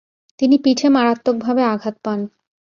তিনি পিঠে মারাত্মকভাবে আঘাত পান।